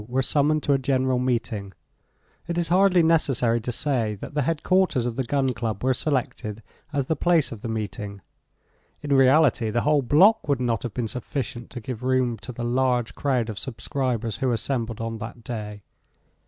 were summoned to a general meeting. It is hardly necessary to say that the headquarters of the Gun Club were selected as the place of the meeting. In reality the whole block would not have been sufficient to give room to the large crowd of subscribers who assembled on that day.